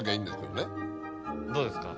どうですか？